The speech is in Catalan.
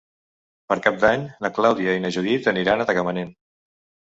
Per Cap d'Any na Clàudia i na Judit aniran a Tagamanent.